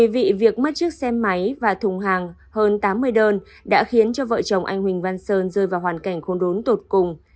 việc mất chiếc xe máy và thùng hàng hơn tám mươi đơn đã khiến cho vợ chồng anh huỳnh văn sơn rơi vào hoàn cảnh khôn đốn tột cùng